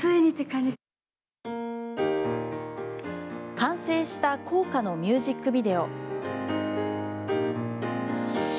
完成した校歌のミュージックビデオ。